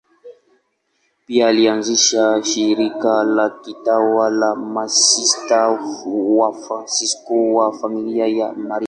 Pia alianzisha shirika la kitawa la Masista Wafransisko wa Familia ya Maria.